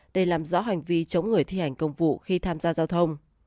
để làm rõ hành vi chống người thi hành công vụ khi tham gia giao thông